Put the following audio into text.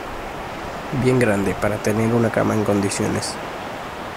bien grande, para tener una cama en condiciones